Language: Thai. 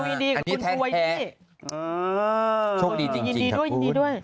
ฮึอโชคดีจริงจริงนะบุญ